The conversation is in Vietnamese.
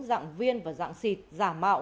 dạng viên và dạng xịt giả mạo